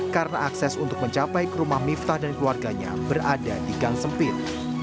karena akses untuk mencapai ke rumah miftah dan keluarganya berada di gang sempit